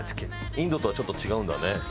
インドとはちょっと違うんだね。